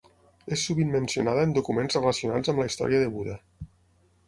És sovint mencionada en documents relacionats amb la història de Buda.